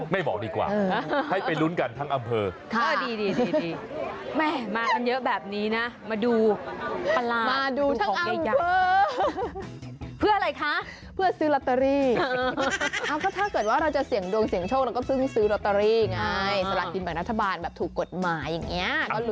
บอกดีกว่าให้ไปลุ้นกันทั้งอำเภอ